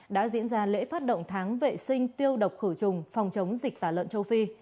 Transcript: đã diễn ra lễ phát động tháng vệ sinh tiêu độc khử trùng phòng chống dịch tả lợn châu phi